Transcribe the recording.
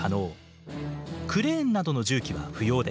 クレーンなどの重機は不要です。